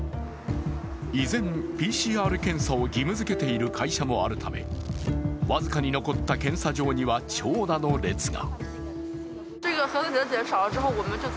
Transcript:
依然、ＰＣＲ検査を義務づけている会社もあるため僅かに残った検査場には長蛇の列が。